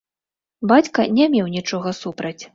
Бацька не меў нічога супраць.